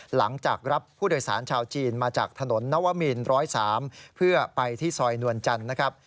หลังจากรับผู้โดยสารชาวจีนมาจากถนนนวมิน๑๐๓เพื่อไปที่ซอยนวลจันทร์นะครับ